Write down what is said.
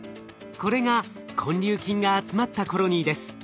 これが根粒菌が集まったコロニーです。